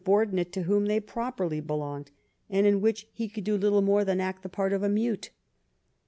ordinate to whom they properly belonged, and in which he could do little more than act the part of a mute.